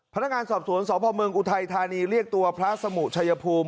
พนักงานสอบสวนสพเมืองอุทัยธานีเรียกตัวพระสมุชัยภูมิ